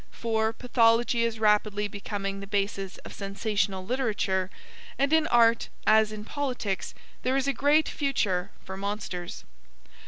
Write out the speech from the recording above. For, Pathology is rapidly becoming the basis of sensational literature, and in art, as in politics, there is a great future for monsters.